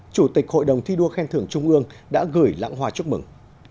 chủ tịch hội đồng thi đua khen thưởng trung ương đã gửi lãng hoa chúc mừng